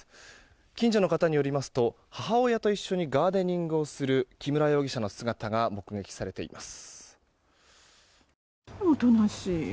近所の方によりますと母親と一緒にガーデニングをする木村容疑者の姿が目撃されています。